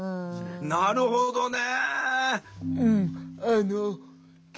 なるほどね。